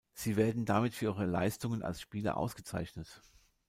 Sie werden damit für ihre Leistungen als Spieler ausgezeichnet.